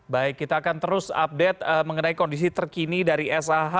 baik kita akan terus update mengenai kondisi terkini dari sah